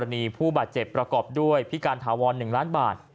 มีผู้บาดเจ็บประกอบด้วยพิการถาวร๑ล้านบาท